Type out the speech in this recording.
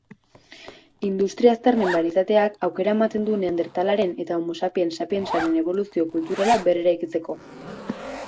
Industria-aztarnen barietateak aukera ematen du Neandertalaren eta Homo sapiens sapiensaren eboluzio kulturala berreraikitzeko.